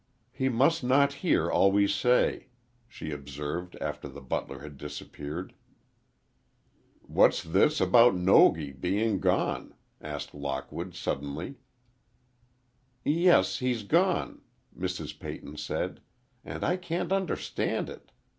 "He must not hear all we say," she observed after the butler had disappeared. "What's this about Nogi being gone?" asked Lockwood, suddenly. "Yes, he's gone," Mrs. Peyton said, "and I can't understand it.